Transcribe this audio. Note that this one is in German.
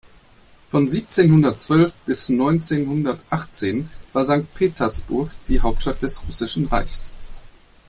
Von siebzehnhundertzwölf bis neunzehnhundertachtzehn war Sankt Petersburg die Hauptstadt des Russischen Reichs.